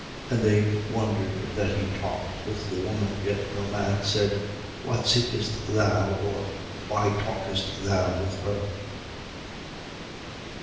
And they wondered that he talked with the woman. Yet no man said: What seekest thou? Or: Why talkest thou with her?